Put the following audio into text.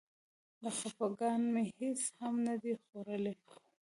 له خپګانه مې هېڅ هم نه دي خوړلي.